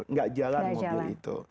tidak jalan mobil itu